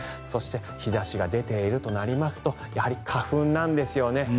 そして日差しが出ているとなりますとやはり花粉なんですよね。